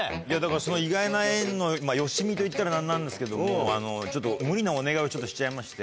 その意外な縁のよしみと言ったら何なんですけどもちょっと。をしちゃいまして。